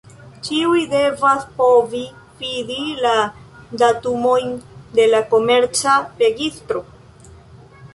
Ĉiuj devas povi fidi la datumojn de la Komerca registro.